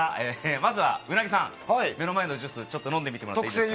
まずは鰻さん、目の前のジュースをちょっと飲んでみてもらっていいですか？